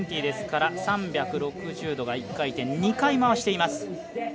７２０ですから３６０度が１回転２回、回しています。